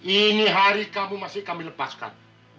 ini hari kamu masih kami lepaskan